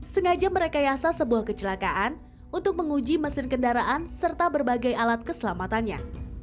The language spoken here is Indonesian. sengaja merekayasa sebuah kecelakaan untuk menguji mesin kendaraan serta berbagai alat keselamatannya